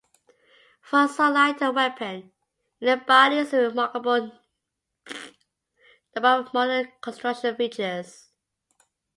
For so light a weapon, it embodies a remarkable number of modern construction features.